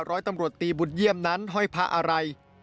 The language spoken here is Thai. ร้อยตำรวจตีบุญเยี่ยมนั้นห้อยพระอะไร